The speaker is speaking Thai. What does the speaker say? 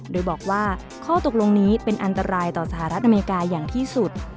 โดยบอกว่าข้อตกลงนี้เป็นอันตรายต่อสหรัฐอเมริกาอย่างที่สุด